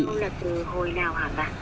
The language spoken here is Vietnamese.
thế thì hồi nào hả bà